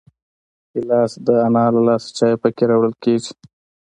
ګیلاس د انا له لاسه چای پکې راوړل کېږي.